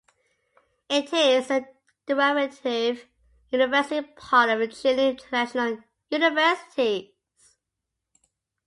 It is a derivative university part of the Chilean Traditional Universities.